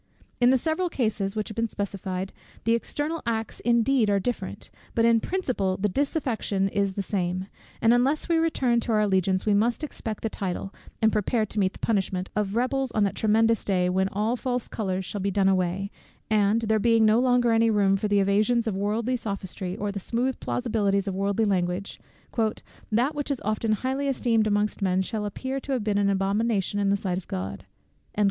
In the several cases which have been specified, the external acts indeed are different; but in principle the disaffection is the same; and unless we return to our allegiance, we must expect the title, and prepare to meet the punishment, of rebels on that tremendous day, when all false colours shall be done away, and (there being no longer any room for the evasions of worldly sophistry, or the smooth plausibilities of worldly language) "that which is often highly esteemed amongst men, shall appear to have been abomination in the sight of God."